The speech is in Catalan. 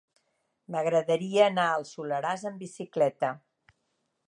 M'agradaria anar al Soleràs amb bicicleta.